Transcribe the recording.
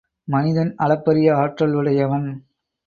மனிதன் அளப்பரிய ஆற்றலுடையவன்.